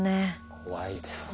怖いですね。